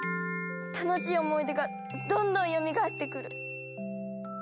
楽しい思い出がどんどんよみがえってくる。